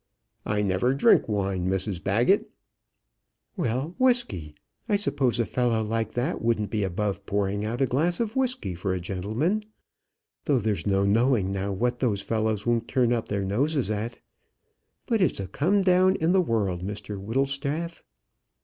"I never drink wine, Mrs Baggett." "Well, whisky. I suppose a fellow like that wouldn't be above pouring out a glass of whisky for a gentleman; though there's no knowing now what those fellows won't turn up their noses at. But it's a come down in the world, Mr Whittlestaff."